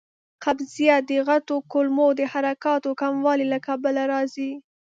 قبضیت د غټو کولمو د حرکاتو کموالي له کبله راځي.